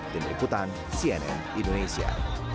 dengan ikutan cnn indonesia